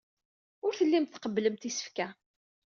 Ur tellimt tqebblemt isefka.